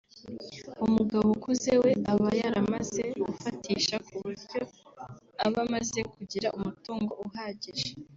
umugabo ukuze we aba yaramaze gufatisha ku buryo aba amaze kugira umutungo uhagije